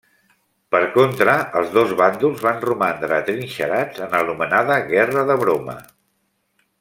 Per contra, els dos bàndols van romandre atrinxerats en l'anomenada Guerra de Broma.